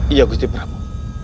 ya gusti prabu